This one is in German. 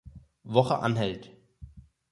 Woche anhält.